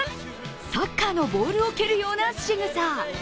サッカーのボールを蹴るようなしぐさ。